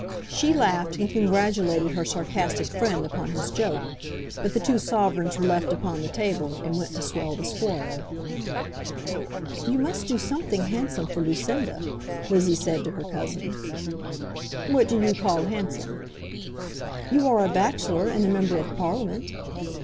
She laughed and congratulated her sarcastic friend upon his joke; but the two sovereigns were left upon the table, and went to swell the spoil. "You must do something handsome for Lucinda," Lizzie said to her cousin. "What do you call handsome?" "You are a bachelor and a Member of Parliament.